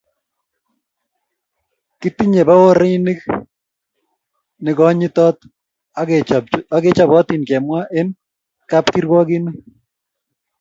Kitinye baorinik nekonyitot akechopotin kemwa eng kapkirwokini